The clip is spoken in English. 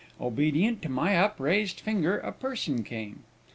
Obedient to my upraised finger, a person came.